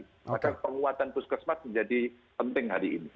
maka penguatan puskesmas menjadi penting hari ini